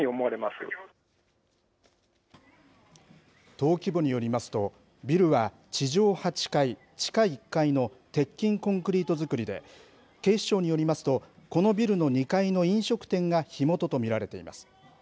登記簿によりますと、ビルは地上８階、地下１階の鉄筋コンクリート造りで、警視庁によりますと、このビルの２階の飲食店が火元と見られています。